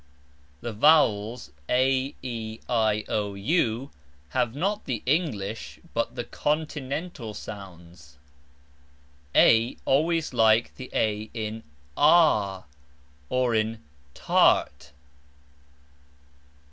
The VOWELS a, e, i, o, u have not the English, but the Continental sounds. a always like A in Ah! or in tArt.